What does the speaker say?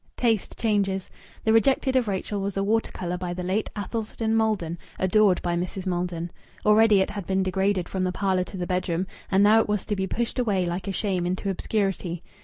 Taste changes. The rejected of Rachel was a water colour by the late Athelstan Maldon, adored by Mrs. Maldon. Already it had been degraded from the parlour to the bedroom, and now it was to be pushed away like a shame into obscurity.